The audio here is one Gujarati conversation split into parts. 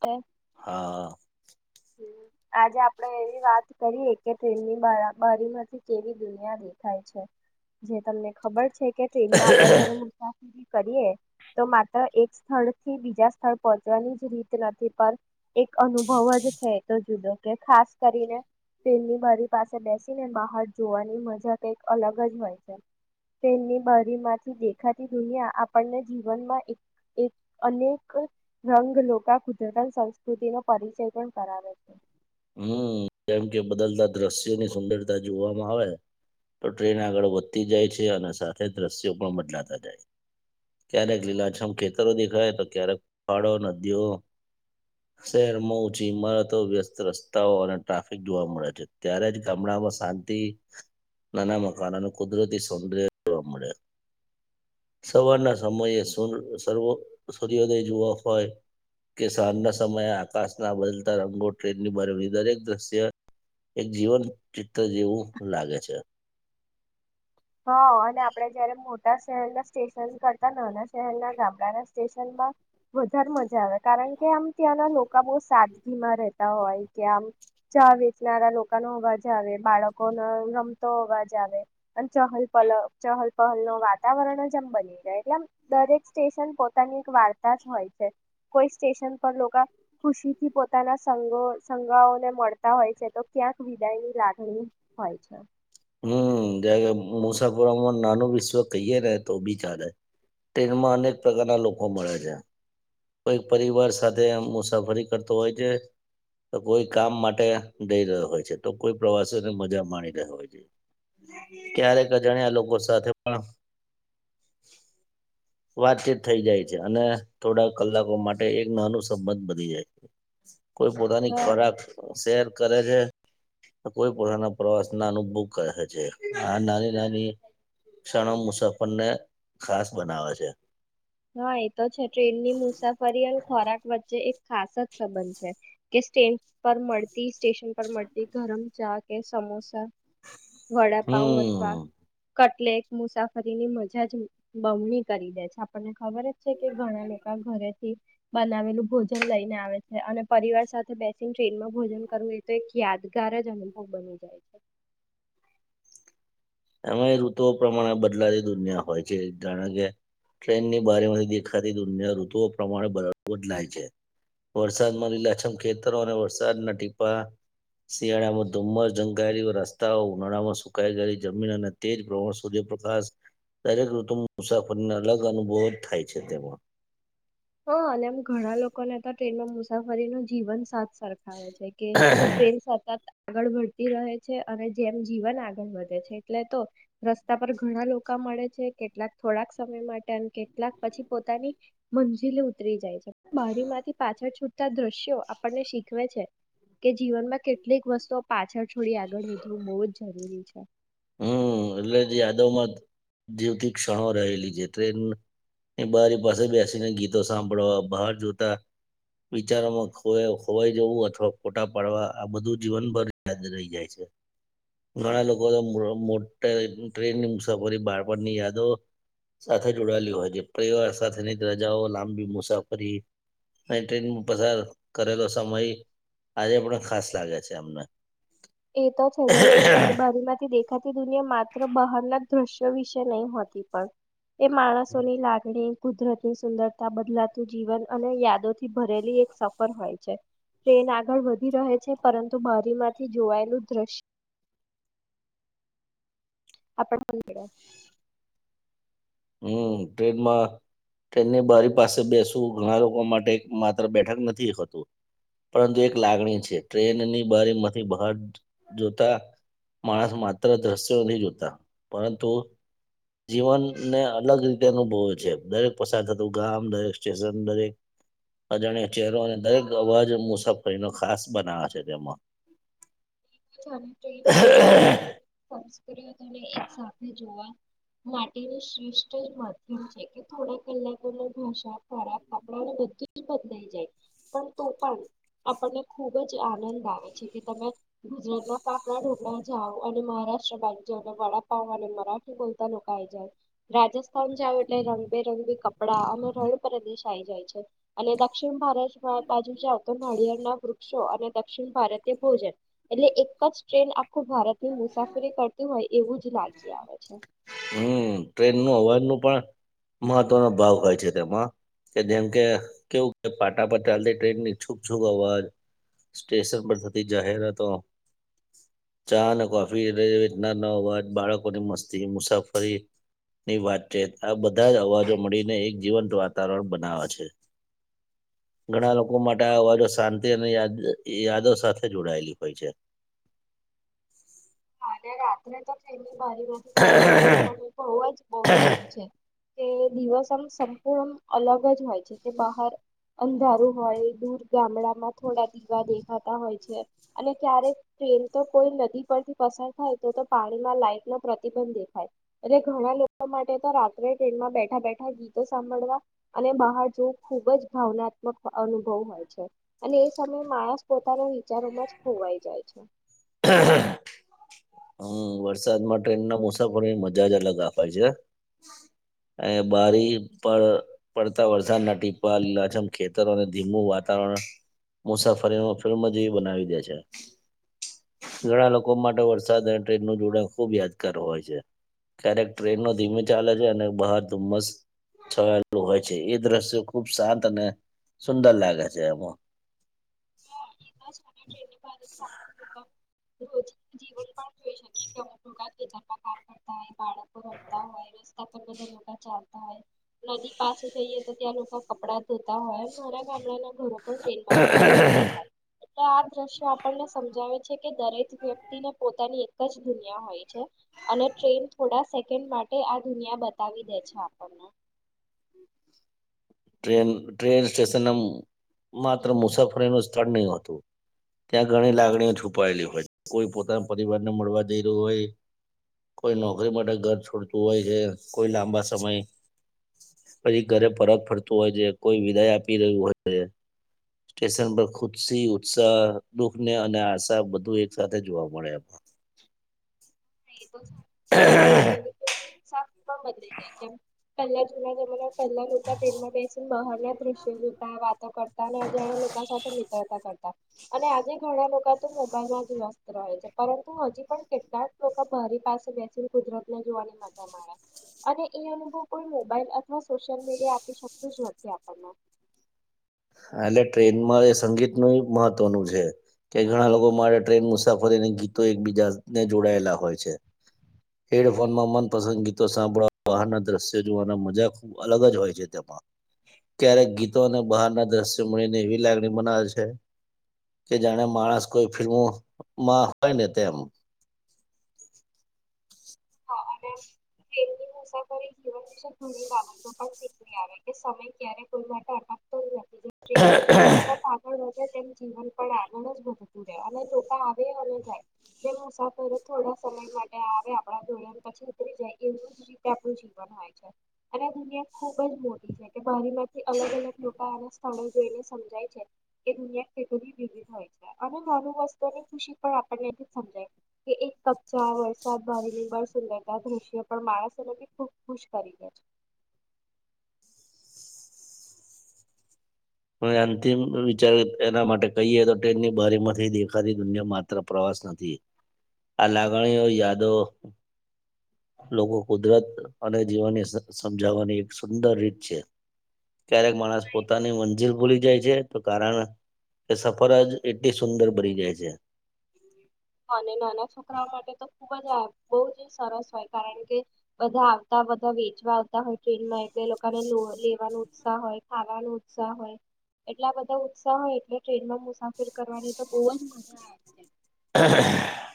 હ [unintelligible] હા. આજે આપડે એવી વાત કરીએ કે ટનની બબારીમાંથી કેવી દુનિયા દેખાય છે જે તમને ખબર છે. કે ટ્રેનમાં આપે જયારે. કરીએ તો માત્ર એક સ્થળથી બીજા સ્થળ પહોંચવાની જ રીત નથી પણ એક અનુભવ જ ખાસ કરીને તેનની બરી પાસે બેસીને બહાર જોવાની મજા ક અલગ જ હોય છે તેનની બરી માંથી દેખાતી દુનિયા આપણને જીવનમાં એક એક અનેક રંગ લોકો કુદરતન સંસ્કૃતિનો પરિચય પણ બરાબર છે. હમ જેમ કે બદલતા દ્રશ્યોની સુંદરતા જોવામાં આવે તો ટ્રેન આગળ વધતી જાય છે અને સાથે દ્રશ્યો પણ બદલાતા જાય ક્યારેક લીલાછમ ખેતરો દેખાય તો ક્યારેક ફાડો નદીઓ શહેરમાં ઊંચી ઈમારતો વ્યસ્તસ્ રસ્ અને ટ્રાફિક જોવા મળે છે ત્યારે જ ગામડામાં શાંતિ નાના મકાના અને કુદરતી સૌંદર્ય જોવા મળે સવારના સમયે સર્વ સૂર્યોદય જોવા હોય કે શવારના સમયે આકાશના બદલતા રંગો ટ્રેનની બ દરેક દ્રશ્ય એક જીવન ચિત્ર જેવું લાગે છે. હા અને આપડે જયારે મોટા શહેરના સ્ટેશન કરતા નાના શહેરના ગામડાના સ્ટેશનમાં વધારે મજા આવે કારણ કે આમ ત્યાંના લોકો બહ સાદગીમાં રહેતા હોય કે આમ ચા વેચનારા લોકોનો અવાજ આવે બાળકોનો રમતો અવાજ આવે. ચહલપલ ચહલ પહલ ન વાતાવરણ જ આમ બની રહે એટલે આમ દરેક સ્ટેશન પોતાની એક વાર્તા જ હોય છે કોઈ સ્ટેશન પર લોકો ખુશીથી પોતાના સઘો સઘાઓને મળતા હોય છે તો ક્યાંક વિદાયની લાગે. હમ જગ મુસાફરોમાં નાનું વિશ્વ કહીયએ ને તો બી ચાલે ટ્રેનમાં અનેક પ્રકારના લોકો મળે છે કોઈ પરિવાર સાથે મુસાફરી કરતો હોય છે તો કોઈ કામ માટે જઈ રહ્યો હોય છે તો કોઈ પ્રવાસ મજા માણી રહ હોય છે ક્યારેક અજાણ્યા લોકો સાથે પણ વાતચીત થઈ જાય છે અને થોડા કલાકો માટે એક નાનું સંબંધ બની જાય છે. કોઈ પોતાની હોય ખોરાક શેર કરે છે. અ [unintelligible] કોઈ પોતાના પ્રવાસ ના અનુભવ કરે છે આ નાની નાની ક્ષણો મુસાફરને ખાસ બનાવે છે. હા એ તો છે ટ્રેનની મુસાફરી અને ખોરાક વચ્ચે એક ખાસ જ સંબંધ છે કે સ્ટન પર મળતી સ્ટેશન પર મળતી ગરમ ચા કે સમોસા વડાપાઉ અથવા હમ કટલેક મુસાફરીની મજા જ બમણી કરી દે છે. આપણને ખબર હ. કે ઘણા લોકો ઘરેથી બનાવેલું ભોજન લઈને આવે છે અને પરિવાર સાથે બે ટ્રેનમાં ભોજન કરવું એ તો એક યાદ કાર જ અનુભવ બની જાય છે. એમાં ઋતુઓ પ્રમાણે બદલાતી દુનિયા હોય છે જાણે કે ટ્રેનની બારીમાંથી દેખાતી દુનિયા ઋતુઓ પ્રમાણે બદલાય છે વરસાદમાં લી લછમ ખેતરો અને વરસાદના ટીપા શિયાળામાં ધુમ્મસ ઝંકાયેલી રસ્તા ઉનાળામાં સુકાઈ ગયેલી. જમીન અને તેજ પ્રવણ સુધ પ્રકાશ દરેક ઋતુ મુસાફરીને અલગ અનુભવ જ થાય છે તેમાં હા અને એમ ઘણા લોકોને હતા ટ્રેનમાં મુ મુસાફરી નું જીવન સા સરખાવે છે કે ટ્રેન સતત આગળ વધતી રહે છે અને જેમ જીવન આગળ વધે છે એટલે તો રસ્તા પર ઘણા લોકો મળે છે કેટલાક થોડાક સમય માટે અને કેટલાક પછી પોતાની મ જલે ઉ જાય છે બરી માંથી પાછળ છ. દ્રશ્યો આપણને શીખવે છે કે જીવનમાં કેટલીક વસ્તુઓ પાછળ છોડી આગળ વધવું બહુ જ જરૂરી છે. હમ એટલે યાદોમાં જીવતી ક્ષણો રહેલી છે ટ્રેન એ બારી પાસે બેસીને ગીતો સાંભળવા બહાર જોતા વિચારોમાં ખો ખોવાઈ જવું અથવા ખોટા પાડવા આ બધું જીવનભર યાદ રહી જાય છે ઘણા લોકો મોટ ટ્રેનની મુસાફરી બાળપણની યાદો સાથે જોડાયેલી હોય છે પરિવાર સાથેની રજાઓ લાંબી મુસાફરી અને ટ્રેનમાં પસાર કરેલો સમય આજે પણ ખાસ લાગે છે અમને એ તો છે એ બાજમાંથી દેખ આખાતી દુનિયા માત્ર બહારના જ દ્રશ્યો વિશે નહી હોતી પણ એ માણસોની લાગણી કુદરતની સુંદરતા બદલાતું જીવન અને યાદોથી ભરેલી એક સફર હોય છે ટ્રેન આગળ વધી રહે છે પરંતુ બારી માંથી જોવાયેલું દ્રશ્ય આપ હમ ટ્રેનમાં ટ્રેનની બારી પાસે બેસવું ઘણા લોકો માટે માત્ર બેઠક નથી હતું પરંતુ એક લાગણી છે ટ્રેનની બારીમાંથી બહાર જોતા માણસ માત્ર દ્રશ્યો નથી જોતા પરંતુ જીવન. ને અલગ રીતે અનુભવે છે, દરેક પસાર થતું ગામ, દરેક સ્ટેશન, દરેક અજાણ્યા ચેહરો અને દરેક અવાજ મુસાફરીને ખાસ બનાવે છે તેમાં. [unintelligible] [unintelligible] તને એક સાથે જોવા માટેની શ્રેષ્ઠ જ માધ્યમ છે, કે થોડા કલાકો ભાષા ખોરાક કપડાને બધું જ બદલાઈ જાય, પણ તો પણ આપણને ખૂબ જ આનંદ આવે છે, કે તમે ગુજરાતના ફાફડા ઢોકળા જાવ અને મહારાષ્ટ્ર બાજુ જાવ તોને વડાપાવ અને મરાઠી બોલતા લોકો આવી જાય, રાજસ્થાન જાવ એટલે રંગબેરંગી કપડાં અને રણ પ્રદેશ આવી જાય છે, અને દક્ષિણ ભારત બાજુ જાવ તો નાળિયળના વૃક્ષો અને દક્ષિણ ભારતીય ભોજન. એટલે એક જ ટ્રેન આખું ભારતની મુસાફરી કરતી હોય એવું જ લાગી આવે છે. ટ્રેનનો અવાજનું પણ મહત્વનો ભાવ હોય છે તેમાં, કે જેમ કે કેવું કે પાટા પર ચાલતી ટ્રેનની છૂક છૂક અવાજ, સ્ટેશન પર થતી જાહેરાતો, ચા અને કોફી એ રીતનાનો અવાજ બાળકોની મસ્તી મુસાફરી ની વાતચીત, આ બધા જ અવાજો મળીને એક જીવંત વાતાવરણ બનાવે છે, ઘણા લોકો માટે આ અવાજો શાંતિ અને યાદ યાદો સાથે જોડાયેલી હોય છે. હા ને રાત્રે તો ટ્રેનની બારીમાંથી બહાર જોવાનો અનુભવ જ બોહ જુદો છે. કે દિવસ આમ સંપૂર્ણ અલગ જ હોય છે, કે બહાર અંધારું હોય, દૂર ગામડામાં થોડા દીવા દેખાતા હોય છે, અને ક્યારેક ટ્રેન તો કોઈ નદી પરથી પસાર થાય તો તો પાણીમાં લાઈટનો પ્રતિબંધ દેખાય, એટલે ઘણા લોકો માટે તો રાત્રે ટ્રેનમાં બેઠા-બેઠા ગીતો સાંભળવા અને બહાર જોવું, ખૂબ જ ભાવનાત્મક અનુભવ હોય છે, અને એ સમયે માણસ પોતાના વિચારોમાં જ ખોવાઈ જાય છે. હં, વરસાદમાં ટ્રેનના મુસાફરીની મઝા જ અલગ આ હોય છે, એ બારી પર પડતા વરસાદના ટીપા, લીલાંછમ ખેતરો અને ધીમું વાતાવરણ, મુસાફરી આમ ફિલ્મ જેવી બનાવી દે છે, ઘણા લોકો માટે વરસાદ ટ્રેનનું જોડાણ ખૂબ યાદગાર હોય છે, ક્યારેક ટ્રેન નો ધીમે ચાલે છે અને બહાર ધુમ્મસ છવાયેલું હોય છે, એ દ્રશ્ય ખૂબ શાંત અને સુંદર લાગે છે એમાં એના છેને ટ્રેનની બારેથી આપણે લોકો રોજ, જીવન પણ જોઈ શકીએ, કે મોટો [unintelligible] ખેતરમાં કામ કરતા હોય, બાળકો રમતા હોય, રસ્તા પર બધા ચાલતા હોય, નદી પાસે જઈએ તો ત્યાં લોકો કપડા ધોતા હોય, અને ગામડાના ઘણું પણ ટ્રેનમાંથી આપણને દેખાય. એટલે આ દ્રશ્ય આપણને સમજાવે છે, કે દરેક વ્યક્તિને પોતાની એક જ દુનિયા હોય છે, અને ટ્રેન થોડા સેકન્ડ માટે આ દુનિયા બતાવી દે છે આપણને. ટ્રેન, ટ્રેન સ્ટેશન આમ માત્ર મુસાફરીનું સ્થળ નહી હોતું, ત્યાં ઘણી લાગણીઓ છુપાયેલી હોય, કોઈ પોતાના પરિવારને મળવા જઈ રહ્યું હોય, કોઈ નોકરી માટે ઘર છોડતું હોય છે, કોઈ લાંબા સમય પછી ઘરે પરત ફર તું હોય છે, કોઈ વિદાય આપી રહ્યું હોય છે. સ્ટેશન પર ખુત્શી, ઉત્સાહ, દુઃખ ને અને આશા બધું એક સાથે જોવા મળે આમ. હ હ હ. [unintelligible] બદલઈ જાય, કેમ પહેલા જૂના જમાના, પહેલા લોકા ટ્રેનમાં બેસીને બહારના દ્રશ્યો જોતા વાતો કરતા, ને અજાણ્યા લોકા સાથે મિત્રતા કરતા, અને આજે ઘણા લોકા તો મોબાઈલમાં જ વ્યસ્ત રહે છે, પરંતુ હજી પણ કેટલાક લોકા બારી પાસે બેસીને કુદરતને જોવાની મઝા માણે, અને એ અનુભવ કોઈ મોબાઈલ અથવા સોશિયલ મીડિયા આપી શકતું જ નથી આપણને. હા, એટલે ટ્રેનમાં એ સંગીતનું ય મહત્વનું છે કે ઘણા લોકો માટે ટ્રેન મુસાફરીને ગીતો એકબીજાને જોડાયેલા હોય છે, હેડફોનમાં મનપસંદ ગીતો સાંભળવા બહારના દ્રશ્યો જોવાના મજા ખૂબ અલગ જ હોય છે તેમાં, ક્યારેક ગીતો અને બહારના દ્રશ્ય મળીને એવી લાગણી બનાવે છે, કે જાણે માણસ કોઈ ફિલ્મોમાં માં હોય ને તેમ હા, અને ટ્રેનની મુસાફરી જીવન વિશે ઘણી બાબતો પણ શીખવી આવે, કે સમય ક્યારે કોઈ માટે અટકતો જ નથી. ટ્રેન સતત આગળ વધ [unintelligible] તેમ જીવન પણ આગળ જ વધતું રહેે, અને લોકા આવે અને જાય, જેમ મુસાફરો થોડા સમય માટે આવે આપડા જોડે, ને પછી ઉતરી જાય એવું જ રીતે આપણું જીવન હોય છે, અને આ દુનિયા ખુબ જ મોટી છે કે બારીમાં કે અલગ અલગ લોકા આ સ્થળે જોઈને સમજાય છે, એ દુનિયા કેટલી વિવિધ હોય છે અને નાનું વસ્તુઓની ખુશી પણ આપનેથી સમજાય કે એક કપ ચા હોયસ સા બારીની બહાર સુંદરતા દૃશ્ય પણ માણસોને બી ખૂબ ખુશ કરી દે છે. અને અંતિમ વિચાર એના માટે કહીએ, તો ટ્રેનની બારીમાંથી દેખાતી દુનિયા માત્ર પ્રવાસ નથી, આ લાગણીઓ યાદો લોકો કુદરત અને જીવનને સમજાવવાની એક સુંદર રીત છે. ક્યારેક માણસ પોતાની મન ભૂલી જાય છે, તો કારણ કે સફર જ એટલી સુંદર બની જાય છે. અને નાના છોકરાઓ માટે તો ખૂબ જ આ બહુ જ સરસ હોય, કારણ કે બધા આવતા, બધા વેચવા આવતા હોય ટ્રેનમાં તે લોકાને લો લેવાનું ઉત્સાહ હોય, ખાવાનો ઉત્સાહ હોય એટલા બધા ઉત્સાહ હોય એટલે ટ્રેનમાં મુસાફરી કરવાની તો બોવ જ મજા આવે છે. અહ.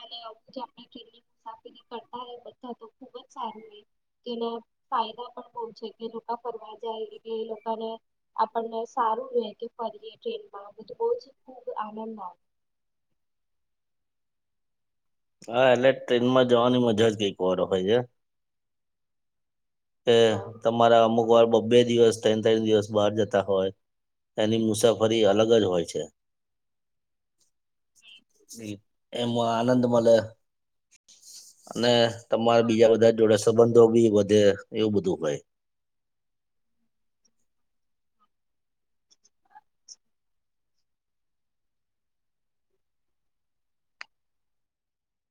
અને [inaudible] આપણે ટ્રેનની મુસાફરી કરતા રહે બધા તો ખુબ જ સારું રેય. તેના ફાયદા પણ બોવ છે કે, લોકો ફરવા જાય એટલે એ લોકોને આપણને સારું રે કે ફરીએ ટ્રેનમાં બધું બોવ જ ખૂબ આનંદ આવે. હા, એટલે ટ્રેનમાં જાવાની મજા જ કઈક ઓર હોય જે કે હા તમારા અમુક કવાર બબ્બે દિવસ તયન તયન દિવસ બહાર જતા હોય એની મુસાફરી અલગ જ હોય છે. ઈ એમાં આનંદ મલ અને તમારે હા. બીજા બધા જોડે સ સંબંધો બી વધે એવું બધું હોય.